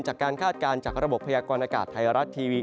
จากการคาดการณ์จากระบบพยากรณ์อากาศไทยรัสทีวี